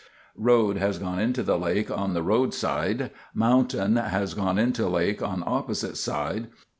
Road has gone into the lake on the road side. Mountain has gone into lake on opposite side.